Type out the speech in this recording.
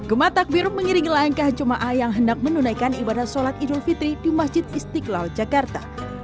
gematak biru mengiringi langkah jemaah yang hendak menunaikan ibadah sholat idul fitri di masjid istiqlal jakarta